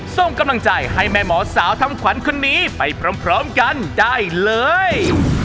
ส่งกำลังใจให้แม่หมอสาวทำขวัญคนนี้ไปพร้อมกันได้เลย